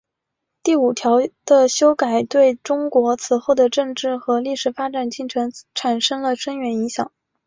第五条的修改对中国此后的政治和历史发展进程产生了深远影响。